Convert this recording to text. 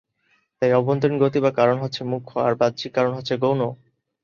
তাই অভ্যন্তরীণ গতি বা কারণ হচ্ছে মুখ্য আর বাহ্যিক কারণ হচ্ছে গৌণ।